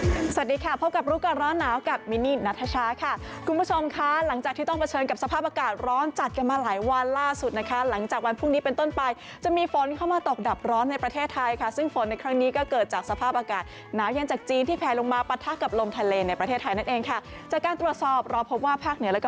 สวัสดีค่ะพบกับรู้กันร้อนหนาวกับมินี่นาทชาค่ะคุณผู้ชมค่ะหลังจากที่ต้องเผชิญกับสภาพอากาศร้อนจัดกันมาหลายวันล่าสุดนะคะหลังจากวันพรุ่งนี้เป็นต้นไปจะมีฝนเข้ามาตกดับร้อนในประเทศไทยค่ะซึ่งฝนในครั้งนี้ก็เกิดจากสภาพอากาศหนาเย็นจากจีนที่แผลลงมาประทักกับลมทะเลในป